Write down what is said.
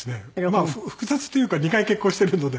まあ複雑というか２回結婚してるので。